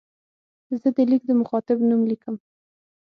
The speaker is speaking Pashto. زه د لیک د مخاطب نوم لیکم.